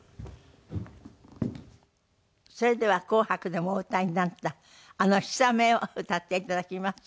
それでは『紅白』でもお歌いになったあの『氷雨』を歌っていただきます。